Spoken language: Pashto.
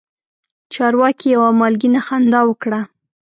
چارواکي یوه مالګینه خندا وکړه.